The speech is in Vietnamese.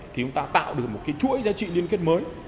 thì chúng ta tạo được chuỗi giá trị liên kết mới